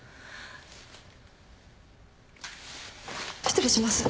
失礼します。